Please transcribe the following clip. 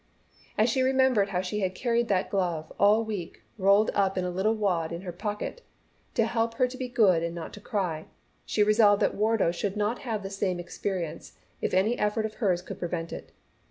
As she remembered how she had carried that glove, all week, rolled up in a little wad in her pocket, to help her to be good and not to cry, she resolved that Wardo should not have the same experience if any effort of hers could prevent it.